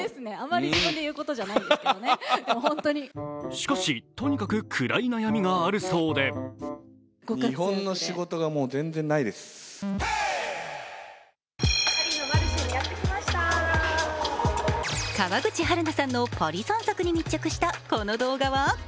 しかし、とにかく暗い悩みがあるそうで川口春奈さんのパリ散策に密着したこの動画は？